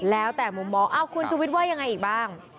แล้วแต่มุมมองคุณชุวิตว่ายังไงอีกบ้าง